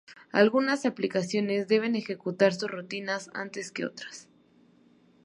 Algunas aplicaciones deben ejecutar sus rutinas antes que otras.